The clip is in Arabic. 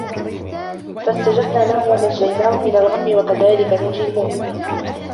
فاستجبنا له ونجيناه من الغم وكذلك ننجي المؤمنين